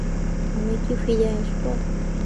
আমি ফিরে আসবো!